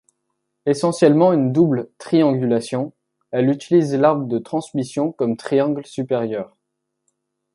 Essentiellement une double triangulation, elle utilise l'arbre de transmission comme triangle supérieur.